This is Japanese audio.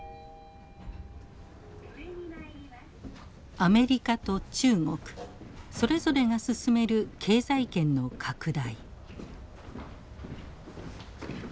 アメリカと中国それぞれが進める経済圏の拡大。